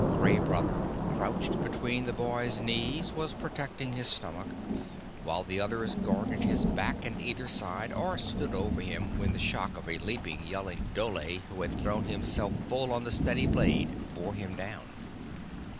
Gray Brother, crouched between the boy's knees, was protecting his stomach, while the others guarded his back and either side, or stood over him when the shock of a leaping, yelling dhole who had thrown himself full on the steady blade, bore him down.